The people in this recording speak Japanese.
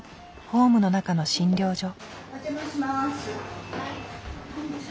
ホームの中の診療所。